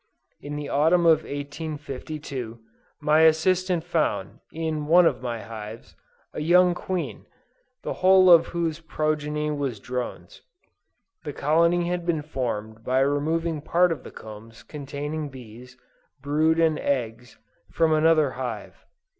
In the Autumn of 1852, my assistant found, in one of my hives, a young Queen, the whole of whose progeny was drones. The colony had been formed by removing part of the combs containing bees, brood and eggs from another hive.